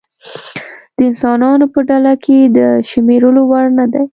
د انسانانو په ډله کې د شمېرلو وړ نه دی.